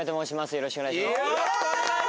よろしくお願いします